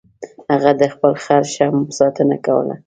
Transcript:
هغه د خپل خر ښه ساتنه کوله.